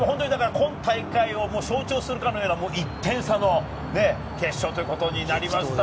今大会を象徴するかのような１点差の決勝ということになりました。